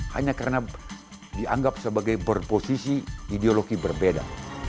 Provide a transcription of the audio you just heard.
hanya karena dianggap sebagai berposisi ideologi berbeda